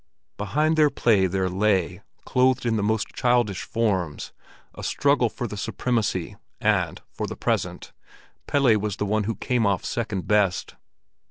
Behind their play there lay, clothed in the most childish forms, a struggle for the supremacy, and for the present Pelle was the one who came off second best.